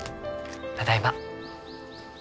ただいま。